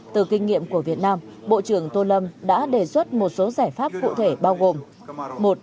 từ kinh nghiệm của việt nam bộ trưởng tô lâm đã đề xuất một số giải pháp cụ thể bao gồm